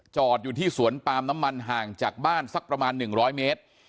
อยู่ที่สวนปาล์มน้ำมันห่างจากบ้านสักประมาณ๑๐๐เมตร